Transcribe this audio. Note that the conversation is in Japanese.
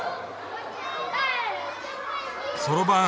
そろばん